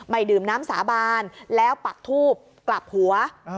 ดื่มน้ำสาบานแล้วปักทูบกลับหัว